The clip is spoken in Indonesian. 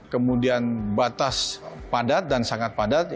kemudian batas padat dan sangat padat